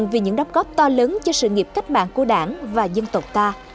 vì những đóng góp to lớn cho sự nghiệp cách mạng của đảng và dân tộc ta